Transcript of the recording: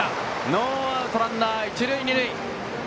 ノーアウトランナー、一塁二塁。